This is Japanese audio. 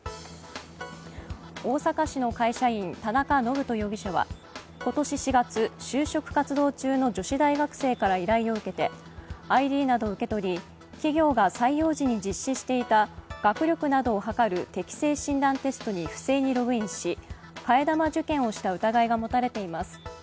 大阪市の会社員、田中信人容疑者は今年４月、就職活動中の女子大学生から依頼を受けてＩＤなどを受け取り企業が採用時に実施していた学力などを測る適性診断テストに不正にログインし替え玉受験をした疑いがもたれています。